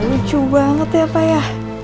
lucu banget ya pak ya